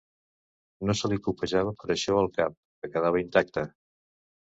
No se li copejava per això el cap, que quedava intacta.